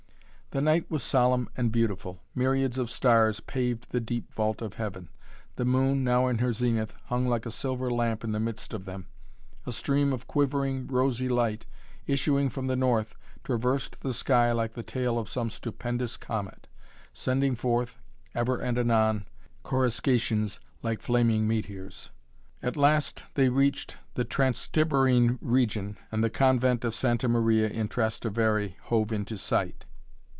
The night was solemn and beautiful. Myriads of stars paved the deep vault of heaven. The moon, now in her zenith, hung like a silver lamp in the midst of them; a stream of quivering, rosy light, issuing from the north, traversed the sky like the tail of some stupendous comet, sending forth, ever and anon, corruscations like flaming meteors. At last they reached the Transtiberine region and the convent of Santa Maria in Trastevere hove into sight.